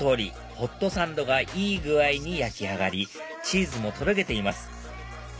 ホットサンドがいい具合に焼き上がりチーズもとろけています